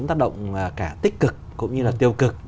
tác động cả tích cực cũng như là tiêu cực